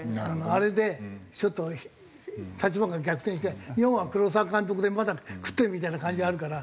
あれでちょっと立場が逆転して日本は黒澤監督でまだ食ってるみたいな感じあるから。